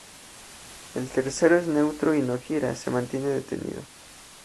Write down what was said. El tercero es neutro y no gira, se mantiene detenido.